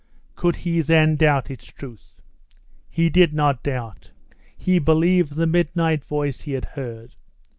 Could he then doubt its truth? He did not doubt; he believed the midnight voice he had heard.